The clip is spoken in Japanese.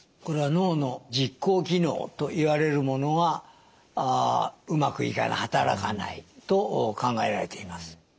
これは脳の実行機能といわれるものがうまくいかない働かないと考えられています。